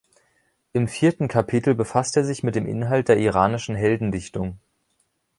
Im vierten Kapitel befasst er sich mit dem Inhalt der iranischen Heldendichtung.